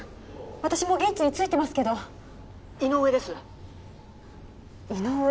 私もう現地についてますけど☎井上です井上？